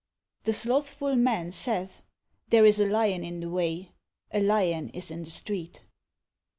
The slothful man saith, There is a lion in the way; a lion is in the street.